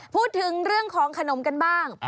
พูดถึงเรื่องของขนมกันบ้าง